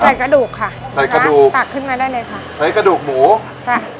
กระดูกค่ะใส่กระดูกตักขึ้นมาได้เลยค่ะใช้กระดูกหมูจ้ะ